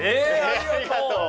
ありがとう。